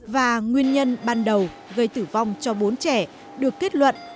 và nguyên nhân ban đầu gây tử vong cho bốn trẻ được kết luận